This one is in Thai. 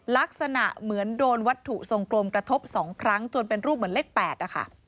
ลักษณะเหมือนโดนวัตถุทรงกลมกระทบ๒ครั้งจนเป็นรูปเหมือนเลข๘นะคะ